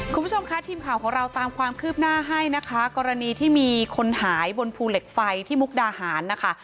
คุณผู้ชมคะทีมข่าวของเราตามความคืบหน้าให้นะคะกรณีที่มีคนหายบนภูเหล็กไฟที่มุกดาหารนะคะ